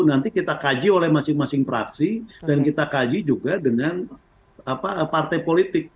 nanti kita kaji oleh masing masing praksi dan kita kaji juga dengan partai politik